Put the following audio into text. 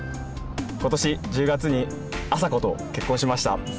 今年１０月にあさこと結婚しました。